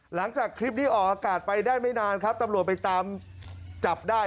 หลังจากคลิปนี้ออกอากาศไปได้ไม่นานครับตำรวจไปตามจับได้